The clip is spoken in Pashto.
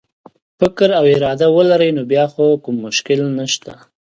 فکر او اراده ولري نو بیا خو کوم مشکل نشته.